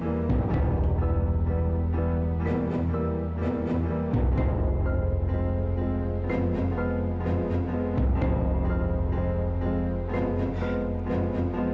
saya ingin tahu apa yang kamu lakukan